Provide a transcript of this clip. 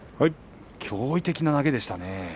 驚異的な投げでしたね。